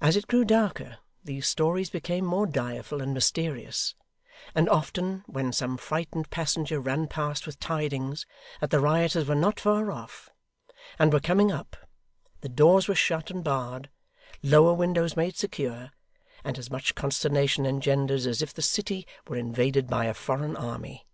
As it grew darker, these stories became more direful and mysterious; and often, when some frightened passenger ran past with tidings that the rioters were not far off, and were coming up, the doors were shut and barred, lower windows made secure, and as much consternation engendered, as if the city were invaded by a foreign army.